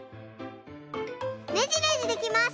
ねじねじできます！